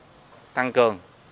để tăng cường